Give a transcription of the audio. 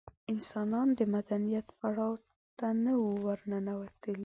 انسانان د مدنیت پړاو ته نه وو ورننوتلي.